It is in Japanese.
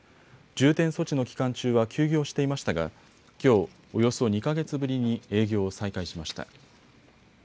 重点措置の期間中は休業していましたがきょうおよそ２か月ぶりに営業を再開しました。